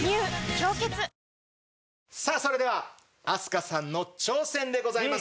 「氷結」さあそれでは飛鳥さんの挑戦でございます。